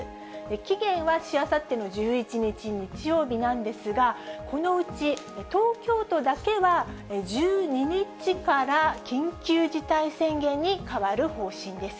期限は、しあさっての１１日日曜日なんですが、このうち東京都だけは１２日から緊急事態宣言に変わる方針です。